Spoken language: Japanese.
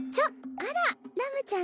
あらラムちゃん